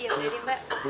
iya udah deh mbak